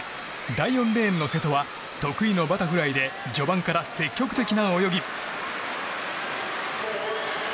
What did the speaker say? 第４レーンの瀬戸は得意のバタフライで序盤から積極的な泳ぎ。